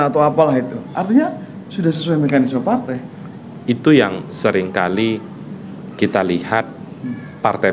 atau apalah itu artinya sudah sesuai mekanisme partai itu yang seringkali kita lihat partai